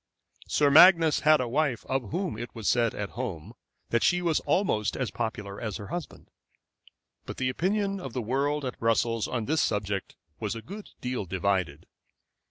Sir Magnus had a wife of whom it was said at home that she was almost as popular as her husband; but the opinion of the world at Brussels on this subject was a good deal divided.